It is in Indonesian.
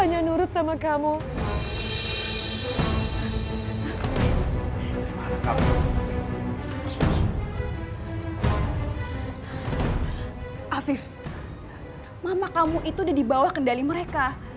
jangan sampai kita kecolongan sama mereka